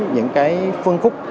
những cái phân phúc